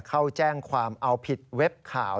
เข้าแจ้งความเอาผิดเว็บข่าว